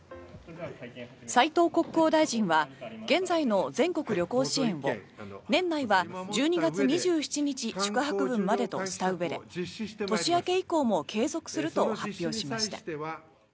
斉藤国交大臣は現在の全国旅行支援を年内は１２月２７日宿泊分までとしたうえで年明け以降も継続すると発表しました。